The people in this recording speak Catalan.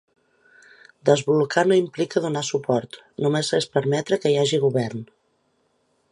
Desblocar no implica donar suport, només és permetre que hi hagi govern.